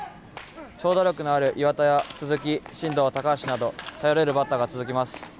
長打力のある岩田や鈴木進藤、高橋など頼れるバッターが続きます。